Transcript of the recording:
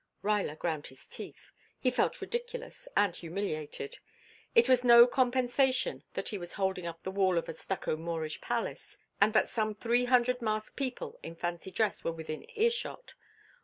Ruyler ground his teeth. He felt ridiculous and humiliated. It was no compensation that he was holding up the wall of a stucco Moorish palace and that some three hundred masked people in fancy dress were within earshot...